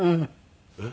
「えっ？」